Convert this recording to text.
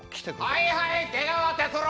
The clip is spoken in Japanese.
はいはい！